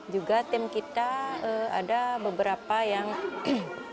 juga tim kita ada beberapa yang menangani terkait ini kejiwaannya itu